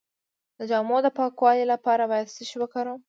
د جامو د پاکوالي لپاره باید څه شی وکاروم؟